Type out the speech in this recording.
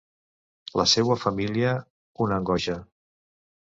La seua família, una angoixa.